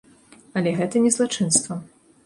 Але гэта не злачынства.